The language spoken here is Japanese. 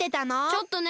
ちょっとね。